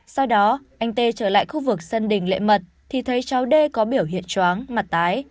sau đó anh tê trở lại khu vực sân đình lệ mật thì thấy cháu đê có biểu hiện chóng mặt tái